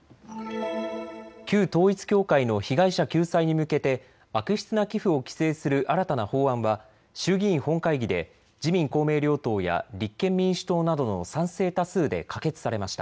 旧統一教会の被害者救済に向けて悪質な寄付を規制する新たな法案は衆議院本会議で自民公明両党や立憲民主党などの賛成多数で可決されました。